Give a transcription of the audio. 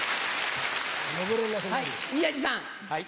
宮治さん。